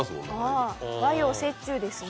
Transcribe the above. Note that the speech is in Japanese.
あぁ和洋折衷ですね。